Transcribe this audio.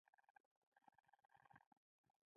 دوی به زیاتره قبیلوي اړیکې پاللې.